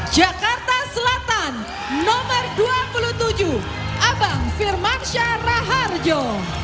jakarta selatan nomor dua puluh tujuh abang firmansyah raharjo